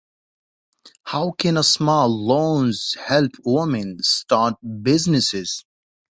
How can a small loans help women start businesses?